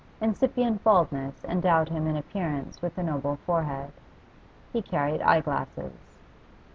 Incipient baldness endowed him in appearance with a noble forehead; he carried eye glasses.